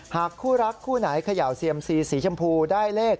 หากคู่รักคู่ไหนเขย่าเซียมซีสีชมพูได้เลข